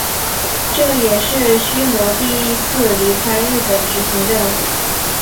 这也是须磨第一次离开日本执行任务。